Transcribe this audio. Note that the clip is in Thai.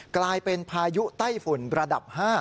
กลายเป็นพายุไต้ฝุ่นระดับ๕